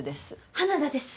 花田です。